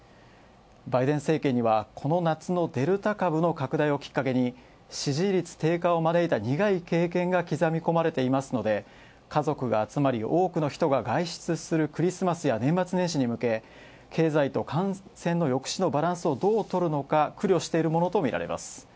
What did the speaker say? バイデン政権にはこの夏のデルタ株をきっかけに、支持率低下を招いた苦い経験が刻み込まれていますので家族が集まり、多くの人が外出するクリスマスや年末に向け、経済と感染の抑止のバランスをどうとるのか、苦慮しているものとみられます。